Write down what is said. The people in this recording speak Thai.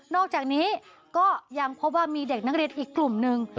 อกจากนี้ก็ยังพบว่ามีเด็กนักเรียนอีกกลุ่มหนึ่ง